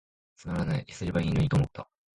つまらない、癈せばいゝのにと思つた。